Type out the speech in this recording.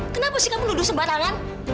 kenapa sih kamu duduk sembarangan